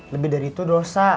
lebih dari itu dosa